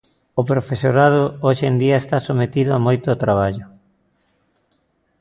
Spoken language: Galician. O profesorado hoxe en día está sometido a moito traballo.